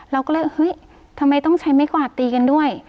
เราก็เลยเฮ้ยทำไมต้องใช้ไม้กวาดตีกันด้วย